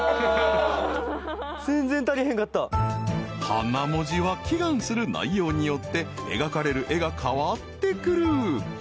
［花文字は祈願する内容によって描かれる絵が変わってくる］